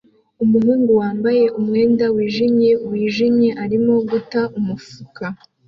Umuhungu wambaye umwenda wijimye wijimye arimo guta umufuka